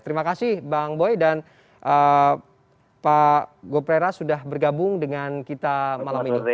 terima kasih bang boy dan pak goprera sudah bergabung dengan kita malam ini